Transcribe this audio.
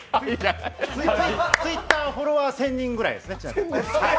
Ｔｗｉｔｔｅｒフォロワー１０００人ぐらいですね。